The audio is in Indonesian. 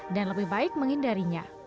dan lebih baik menghindarinya